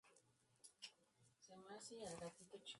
No existe un tratamiento específico para esta patología.